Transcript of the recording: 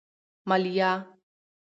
مالیه